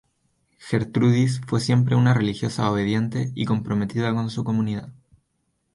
Gertrudis fue siempre una religiosa obediente y comprometida con su comunidad.